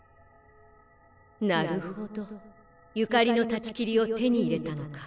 なるほど所縁の断ち切りを手に入れたのか。